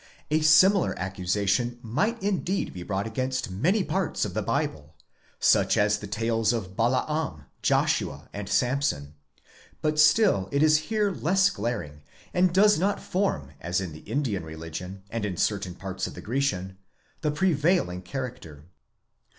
A similar accusation might indeed be brought against many parts of the Bible, such as the tales οὗ Balaam, Joshua, and Samson ; but still it is here less glaring, and does not form as in the Indian religion and in certain parts of the Grecian, the prevailing character.